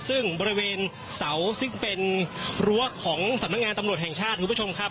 ซึ่งบริเวณเสาซึ่งเป็นรั้วของสำนักงานตำรวจแห่งชาติคุณผู้ชมครับ